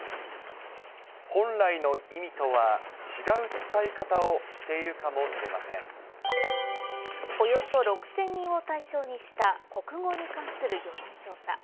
本来の意味とは違う使い方をおよそ６０００人を対象にした、国語に関する世論調査。